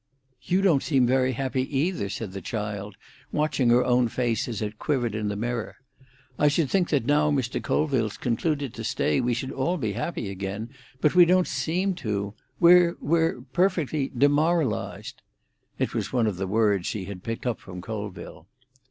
"You don't seem very happy either," said the child, watching her own face as it quivered in the mirror. "I should think that now Mr. Colville's concluded to stay, we would all be happy again. But we don't seem to. We're—we're perfectly demoralised!" It was one of the words she had picked up from Colville.